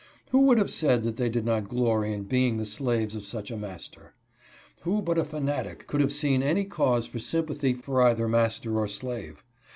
Who would have said they did not glory in being the slaves of such a master ? Who but a fanatic could have seen any cause for sympathy for either master or slave